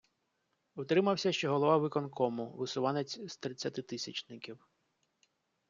Утримався ще голова виконкому, висуванець з тридцятитисячників.